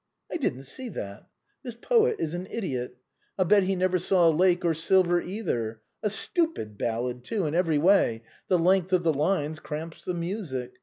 I didn't see that. This poet is an idiot, I'll bet he never saw a lake, or river either. A stupid ballad too, in every way; the length of the lines cramps the music.